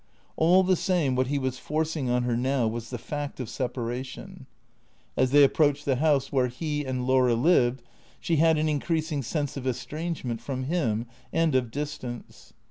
All the same, what he was forcing on her now was the fact of separation. As they approached the house THECREATOES 381 where he and Laura lived she had an increasing sense of estrangement from him and of distance.